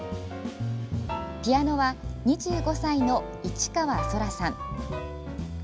ピアノは、２５歳の市川空さん。